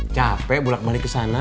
capek bulat balik kesana